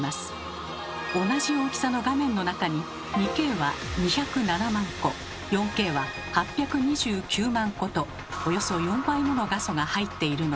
同じ大きさの画面の中に２Ｋは２０７万個４Ｋは８２９万個とおよそ４倍もの画素が入っているのです。